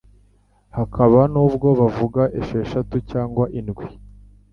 hakaba n’ubwo bavuga esheshatu cyangwa indwi